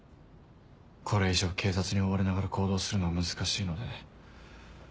これ以上警察に追われながら行動するのは難しいので。